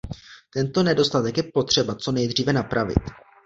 Tento nedostatek je potřeba co nejdříve napravit.